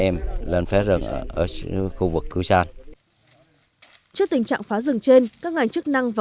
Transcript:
em lên phá rừng ở khu vực cứu sàn trước tình trạng phá rừng trên các ngành chức năng và